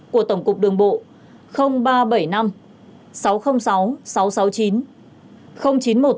của tổng cục đường bộ